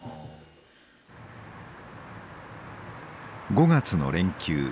５月の連休。